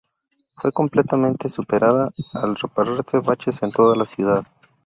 Fue completamente superada al repararse baches en toda la ciudad.